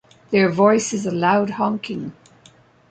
Their voice is a loud honking.